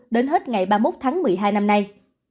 đến hết ngày ba mươi một tháng một mươi hai năm nay